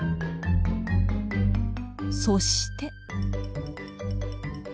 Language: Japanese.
そして。